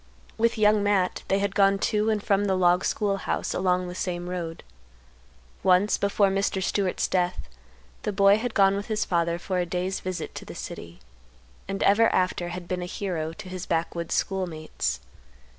With Young Matt they had gone to and from the log school house along the same road. Once, before Mr. Stewart's death, the boy had gone with his father for a day's visit to the city, and ever after had been a hero to his backwoods schoolmates.